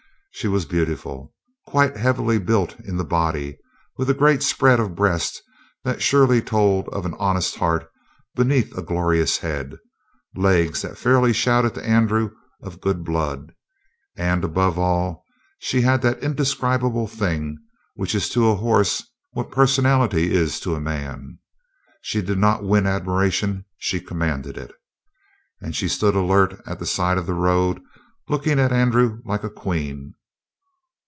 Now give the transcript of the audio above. She was beautiful, quite heavily built in the body, with a great spread of breast that surely told of an honest heart beneath a glorious head, legs that fairly shouted to Andrew of good blood, and, above all, she had that indescribable thing which is to a horse what personality is to a man. She did not win admiration, she commanded it. And she stood alert at the side of the road, looking at Andrew like a queen.